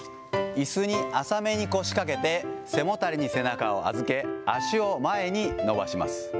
いすに浅めに腰かけて、背もたれに背中を預け、足を前に伸ばします。